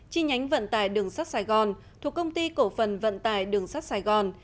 chi nhánh vận tài đường sắt sài gòn thuộc công ty cổ phần vận tài đường sắt sài gòn